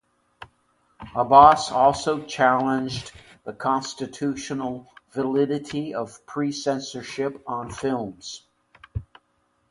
Abbas also challenged the constitutional validity of pre-censorship on films.